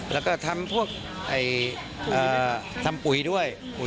แล้วก็ทำพวกทำปุ๋ยด้วยปุ๋